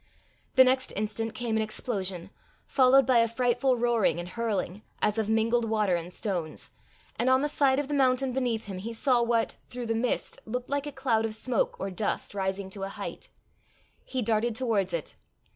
The next instant came an explosion, followed by a frightful roaring and hurling, as of mingled water and stones; and on the side of the mountain beneath him he saw what, through the mist, looked like a cloud of smoke or dust rising to a height. He darted towards it.